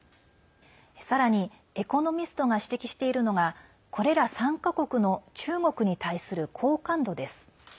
さらに「エコノミスト」が指摘しているのがこれら３か国の中国に対する好感度です。